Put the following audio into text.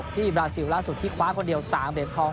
บราซิลล่าสุดที่คว้าคนเดียว๓เหรียญทอง